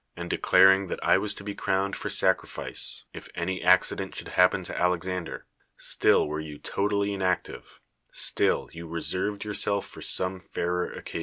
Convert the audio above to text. and declaring that I was to ])e crowned I'm sacrifice if any accident should hai»pen to Alexander: still were you totally inactive; still \n;i reserved yournelf for some fairer occasion.